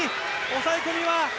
抑え込みは。